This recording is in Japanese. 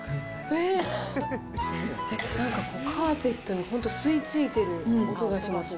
なんかこう、カーペットに吸いついてる音がしますね。